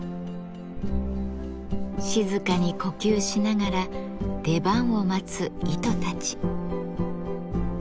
静かに呼吸しながら出番を待つ糸たち。